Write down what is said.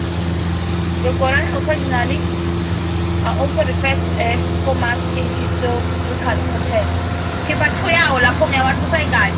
The Gorani occasionally are also referred to as Pomaks in historical context.